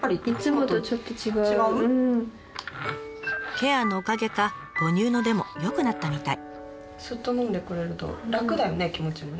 ケアのおかげか母乳の出も良くなったみたい。